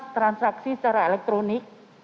transaksi secara elektronik